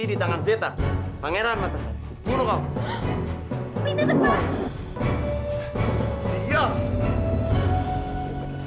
bisa siap juga belum ada juragan belum